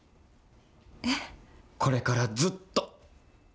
これからずっと。